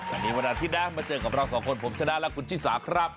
วันนี้วันอาทิตย์นะมาเจอกับเราสองคนผมชนะและคุณชิสาครับ